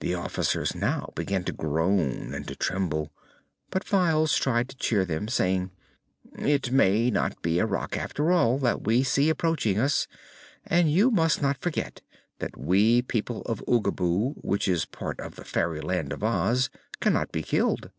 The officers now began to groan and to tremble, but Files tried to cheer them, saying: "It may not be a Rak, after all, that we see approaching us, and you must not forget that we people of Oogaboo, which is part of the fairyland of Oz, cannot be killed."